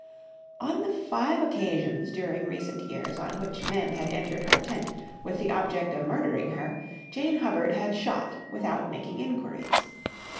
On the five occasions during recent years on which men had entered her tent with the object of murdering her, Jane Hubbard had shot without making inquiries.